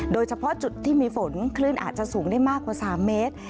โดยเฉพาะจุดที่มีฝนคลื่นอาจจะสูงได้มากกว่า๓เมตร